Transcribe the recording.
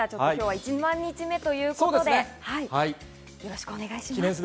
１万日目ということで、よろしくお願いします。